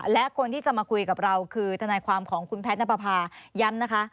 และคนที่จะมาคุยกับเราคือทนายความของคุณแพทย์นับประพาย้ำนะคะ